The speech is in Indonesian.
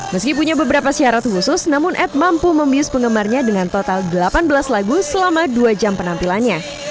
meski punya beberapa syarat khusus namun ad mampu membius penggemarnya dengan total delapan belas lagu selama dua jam penampilannya